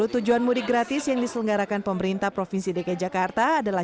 sepuluh tujuan mudik gratis yang diselenggarakan pemerintah provinsi dki jakarta adalah